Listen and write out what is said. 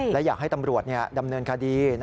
และอยากให้ตำรวจดำเนินคดี